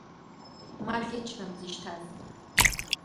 Ма ӷьычран дзышьҭаз.